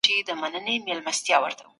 فقر او بې کاري لويې ستونزې دي.